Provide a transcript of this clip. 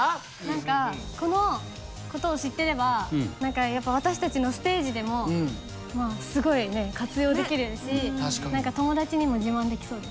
何かこの事を知っていれば私たちのステージでも活用できるし何か友達にも自慢できそうです。